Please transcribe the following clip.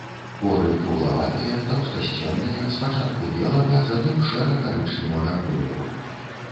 Поры круглаватыя, таўстасценныя, спачатку белага, затым шэра-карычневага колеру.